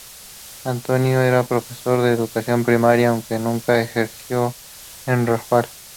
Antonio era profesor de educación primaria, aunque nunca ejerció en Rafal.